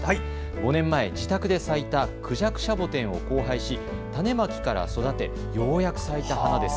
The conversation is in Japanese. ５年前、自宅で咲いたクジャクシャボテンを交配し、種まきから育てようやく咲いた花です。